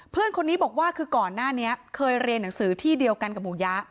เพื่อนคนนี้บอกว่าคือก่อนหน้านี้เคยเรียนหนังสือที่เดียวกันกับหมู่ยะ